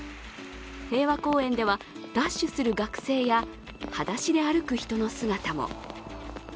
平和公園ではダッシュする学生やはだしで歩く人の姿も。